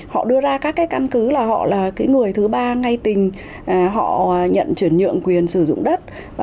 họ đưa ra các cái căn cứ là họ là cái người thứ ba ngay tình họ nhận chuyển nhượng quyền sử dụng đất